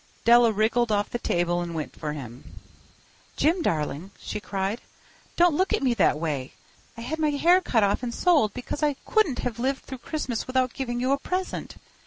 Della wriggled off the table and went for him. "Jim, darling," she cried, "don't look at me that way. I had my hair cut off and sold because I couldn't have lived through Christmas without giving you a present.